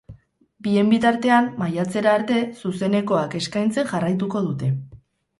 Bien bitartean, maiatzera arte zuzenekoak eskaintzen jarraituko dute.